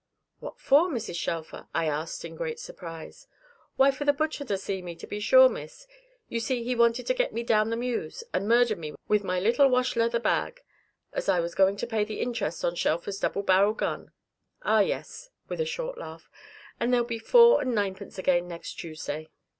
"What for, Mrs. Shelfer?" I asked in great surprise. "Why, for the butcher to see me, to be sure, Miss. You see he wanted to get me down the mews, and murder me with my little wash leather bag, as I was going to pay the interest on Shelfer's double barrel gun. Ah yes," with a short sigh, "and there'll be four and ninepence again, next Tuesday."